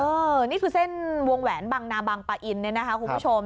นี่คือเส้นวงแหวนบังนาบางปะอินเนี่ยนะคะคุณผู้ชม